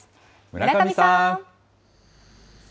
村上さん。